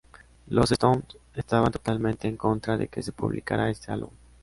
Los Stones estaban totalmente en contra de que se publicara este álbum.